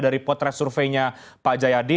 dari potret surveinya pak jayadi